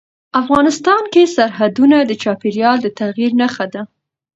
افغانستان کې سرحدونه د چاپېریال د تغیر نښه ده.